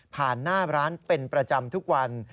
หน้าร้านเป็นประจำทุกวัน